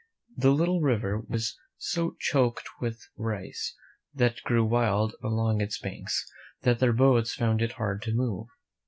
The little river was so choked with rice that grew wild along its banks that the boats found it hard to move.